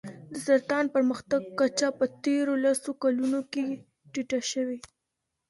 د سرطان پرمختګ کچه په تېرو لسو کلونو کې ټیټه شوې.